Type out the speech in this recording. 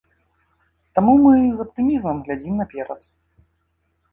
Таму мы з аптымізмам глядзім наперад.